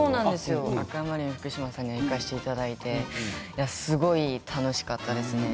アクアマリンふくしまさんに行かせていただいてすごく楽しかったですね。